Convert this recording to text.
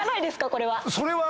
これは。